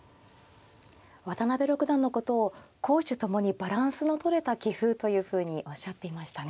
渡辺六段のことを攻守ともにバランスのとれた棋風というふうにおっしゃっていましたね。